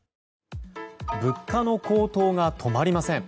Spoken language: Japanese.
物価の高騰が止まりません。